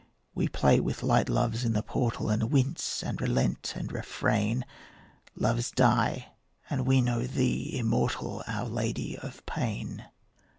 We play with light loves in the portal, And wince and relent and refrain; Loves die, and we know thee immortal, Our Lady of Pain.